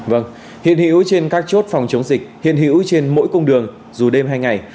vâng hiện hữu trên các chốt phòng chống dịch hiện hữu trên mỗi cung đường dù đêm hay ngày